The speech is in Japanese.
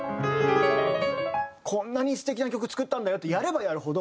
こんなに素敵な曲作ったんだよってやればやるほど。